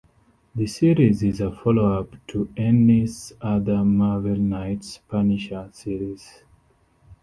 The series is a follow up to Ennis's other Marvel Knights Punisher series.